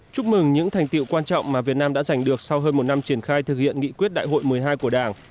chúc mừng những thành tiệu quan trọng mà việt nam đã giành được sau hơn một năm triển khai thực hiện nghị quyết đại hội một mươi hai của đảng